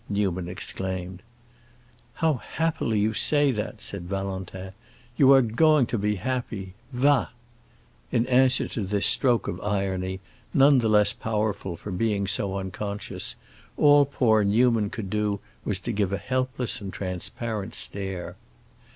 Newman exclaimed. "How happily you say that!" said Valentin. "You are going to be happy—va!" In answer to this stroke of irony, none the less powerful for being so unconscious, all poor Newman could do was to give a helpless and transparent stare.